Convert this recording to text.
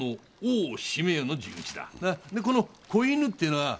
でこの小犬っていうのは。